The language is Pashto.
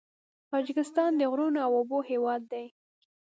تاجکستان د غرونو او اوبو هېواد دی.